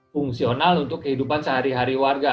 fungsional untuk kehidupan sehari hari warga